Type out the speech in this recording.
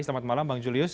selamat malam bang julius